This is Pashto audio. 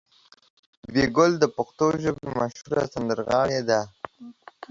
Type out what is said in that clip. بي بي ګل د پښتو ژبې مشهوره سندرغاړې ده.